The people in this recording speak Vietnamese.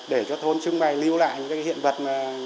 để cho thôn trưng bày lưu lại những cái hiện vật